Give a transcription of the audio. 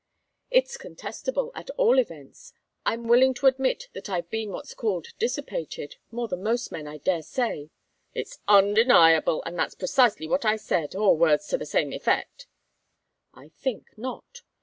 "It's contestable, at all events. I'm willing to admit that I've been what's called dissipated. More than most men, I daresay." "That's undeniable, and that's precisely what I said, or words to the same effect." "I think not.